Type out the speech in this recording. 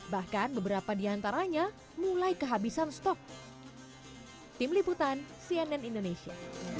bahkan beberapa diantaranya mulai kehabisan stok tim liputan cnn indonesia